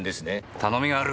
頼みがある。